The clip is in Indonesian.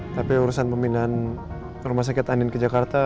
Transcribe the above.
tapi urusan pembinaan rumah sakit anin ke jakarta